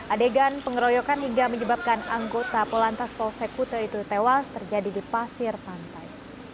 adegan pengeroyokan hingga menyebabkan anggota polantas polsek kute itu tewas terjadi di pasir pantai